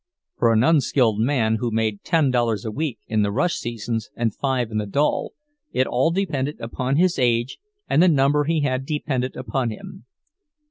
For an unskilled man, who made ten dollars a week in the rush seasons and five in the dull, it all depended upon his age and the number he had dependent upon him.